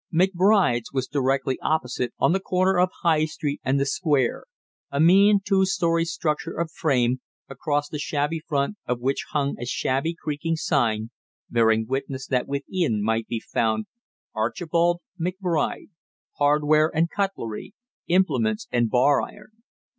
McBride's was directly opposite on the corner of High Street and the Square; a mean two story structure of frame, across the shabby front of which hung a shabby creaking sign bearing witness that within might be found: "Archibald McBride, Hardware and Cutlery, Implements and Bar Iron."